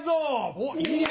おっいいね！